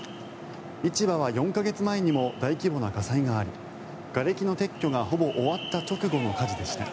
市場は４か月前にも大規模な火災がありがれきの撤去がほぼ終わった直後の火事でした。